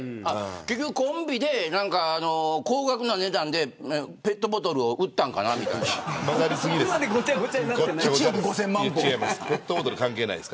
コンビで高額な値段でペットボトルを売ったんかなみたいな。違います。